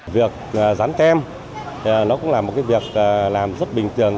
việc gián tem cũng là một việc làm rất bình thường